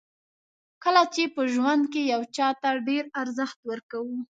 کله چې په ژوند کې یو چاته ډېر ارزښت ورکوو.